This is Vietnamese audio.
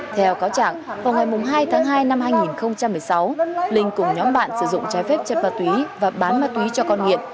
theo cáo trạng vào ngày hai tháng hai năm hai nghìn một mươi sáu linh cùng nhóm bạn sử dụng trái phép chất ma túy và bán ma túy cho con nghiện